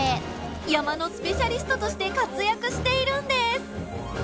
山のスペシャリストとして活躍しているんです。